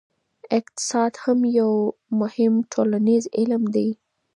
اقتصاد هم یو مهم ټولنیز علم دی.